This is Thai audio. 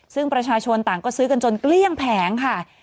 ซึ่งประชาชนต่างก็ซื้อกันจนเกลี้ยงแผงค่ะ